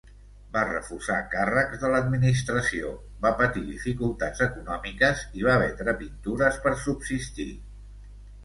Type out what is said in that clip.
Va refusar càrrecs de l'administració, va patir dificultats econòmiques i va vendre pintures per subsistir.